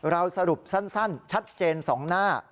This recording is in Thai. เราสรุปสั้นชัดเจน๒หน้า